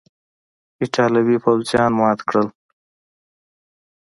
ایټالوي پوځیان مات کړل.